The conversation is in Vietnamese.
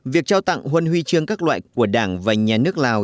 việc trao tặng huân huy chương các loại của đảng và nhà nước lào